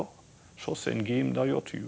所詮ゲームだよという。